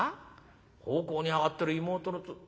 奉公に上がってる妹のつ。